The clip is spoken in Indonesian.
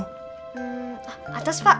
hmm atas pak